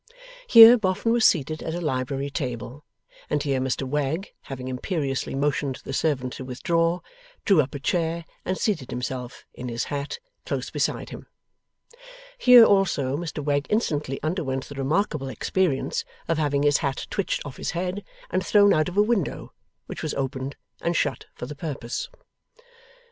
Here, Boffin was seated at a library table, and here Mr Wegg, having imperiously motioned the servant to withdraw, drew up a chair and seated himself, in his hat, close beside him. Here, also, Mr Wegg instantly underwent the remarkable experience of having his hat twitched off his head and thrown out of a window, which was opened and shut for the purpose.